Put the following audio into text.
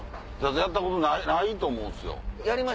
やったことないと思うんすよ。